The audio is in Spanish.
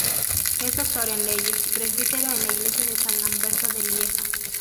Es doctor en leyes y presbítero en la iglesia de San Lamberto de Lieja.